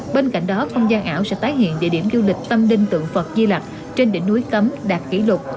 bên cạnh đó không gian ảo sẽ tái hiện địa điểm du lịch tâm đinh tượng phật di lạc trên đỉnh núi cấm đạt kỷ lục